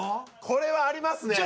これはありますね。